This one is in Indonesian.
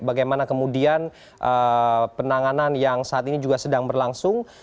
bagaimana kemudian penanganan yang saat ini juga sedang berlangsung